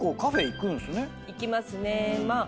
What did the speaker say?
行きますね。